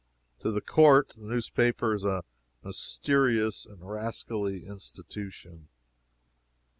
To the court, the newspaper is a mysterious and rascally institution.